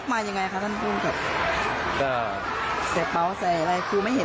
ไม่มีไม่มีไม่มี